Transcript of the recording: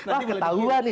ah ketahuan nih